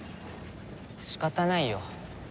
仕方ないよ。